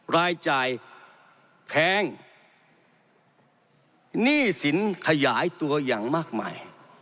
รายจ่ายแพงหนี้สินขยายตัวอย่างมากมาย